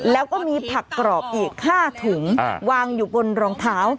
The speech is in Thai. แล้วก็มีผักกรอบอีก๕ถุงวางอยู่บนรองเท้า